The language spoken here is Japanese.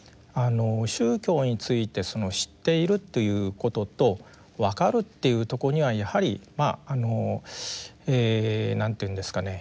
宗教について知っているということとわかるっていうとこにはやはりまあ何て言うんですかね